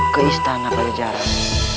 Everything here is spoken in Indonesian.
ke istana pajajaran